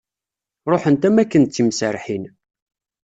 Ruḥent am waken d timserrḥin.